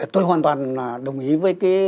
tôi hoàn toàn đồng ý với cái